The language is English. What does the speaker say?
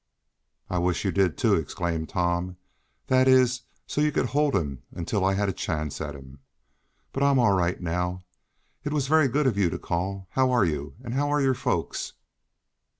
"I wish you did, too!" exclaimed Tom. "That is, so you could hold him until I had a chance at him. But I'm all right now. It was very good of you to call. How are you, and how are your folks?"